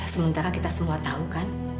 sementara kita semua tahu kan